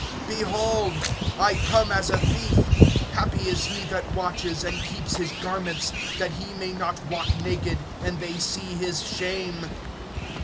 (15)Behold, I come as a thief. Happy is he that watches, and keeps his garments, that he may not walk naked and they see his shame.